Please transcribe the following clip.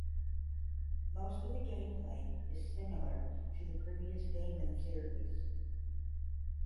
Most of the gameplay is similar to the previous game in the series.